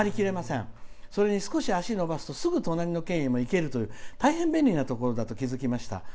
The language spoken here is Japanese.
それに、少し足を伸ばすとすぐに隣の県行けると大変便利なところだと気付きました。